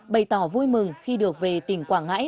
bày tỏ vui mừng khi được về tỉnh quảng ngãi